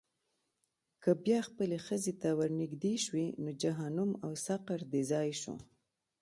که بیا خپلې ښځې ته ورنېږدې شوې، نو جهنم او سقر دې ځای شو.